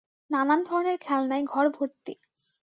নানান ধরনের খেলনায় ঘর ভর্তি।